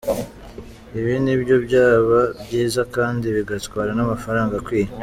Ibi nibyo byaba byiza kandi bigatwara n’amafaranga akwiye.